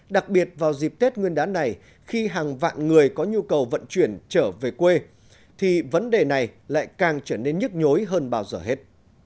đặc biệt vào dịp tết nguyên đán này khi hàng vạn người có nhu cầu vận chuyển trở về quê thì vấn đề này lại càng trở nên nhức nhối hơn bao giờ hết